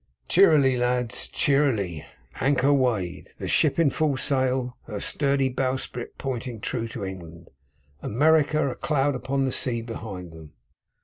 Cheerily, lads, cheerily! Anchor weighed. Ship in full sail. Her sturdy bowsprit pointing true to England. America a cloud upon the sea behind them!